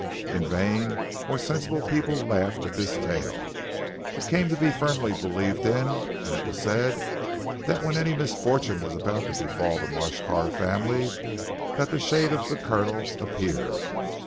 In vain more sensible people laughed at this tale. It came to be firmly believed in, and it was said that when any misfortune was about to befall the Marsh Carr family, that the shade of the Colonel appeared.